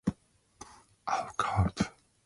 His younger brother was the linguist Elmer Bagby Atwood.